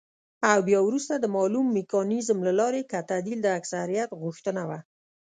او بيا وروسته د مالوم ميکانيزم له لارې که تعديل د اکثريت غوښتنه وه،